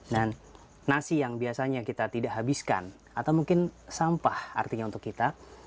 dan nasi yang biasanya kita tidak habiskan atau mungkin sampah artinya untuk kita